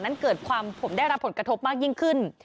นั้นเกิดความผมได้รับผลกระทบมากยิ่งขึ้น